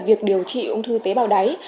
việc điều trị ung thư tế bào đáy